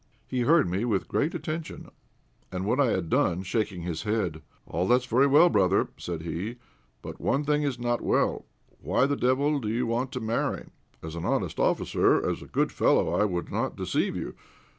He heard me with great attention, and when I had done, shaking his head "All that's very well, brother," said he, "but one thing is not well. Why the devil do you want to marry? As an honest officer, as a good fellow, I would not deceive you.